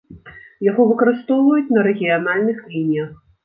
Яго выкарыстоўваюць на рэгіянальных лініях.